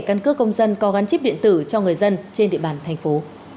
căn cước công dân có gắn chip điện tử cho người dân trên địa bàn thành phố